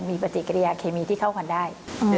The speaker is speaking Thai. มีปฏิกิริยาเคมีที่เข้ากันได้